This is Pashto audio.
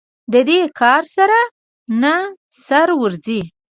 د دې کار سر نه سره ورځي.